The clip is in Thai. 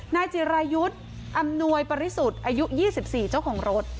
นายจิรายุทธ์อำนวยปริสุทธิ์อายุ๒๔เจ้าของรถ